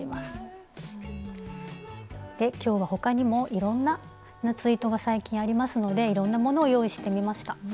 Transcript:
今日は他にもいろんな夏糸が最近ありますのでいろんなものを用意してみました。